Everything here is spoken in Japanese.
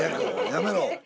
やめろ。